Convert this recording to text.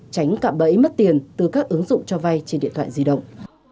tránh cạm bẫy mất tiền từ các ứng dụng cho vay trên điện thoại di động